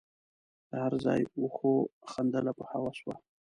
د هر ځای وښو خندله په هوس وه